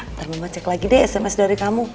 ntar mama cek lagi deh sms dari kamu